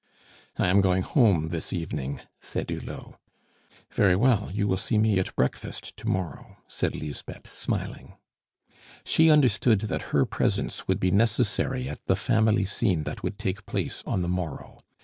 "I am going home this evening," said Hulot. "Very well, you will see me at breakfast to morrow," said Lisbeth, smiling. She understood that her presence would be necessary at the family scene that would take place on the morrow.